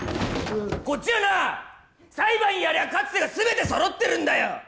こっちはな裁判やりゃ勝つ手が全て揃ってるんだよ！